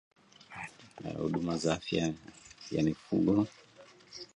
Huduma za Afya ya Mifugo